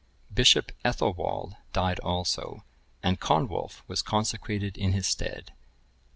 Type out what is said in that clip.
Bishop Ethelwald died also, and Conwulf,(1067) was consecrated in his stead.